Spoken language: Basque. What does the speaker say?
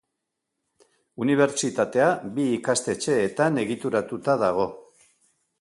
Unibertsitatea bi ikastetxeetan egituratuta dago.